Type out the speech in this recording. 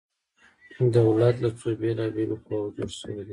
دولت له څو بیلا بیلو قواو جوړ شوی دی؟